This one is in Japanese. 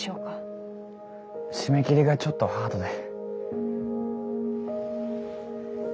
締め切りがちょっとハードで。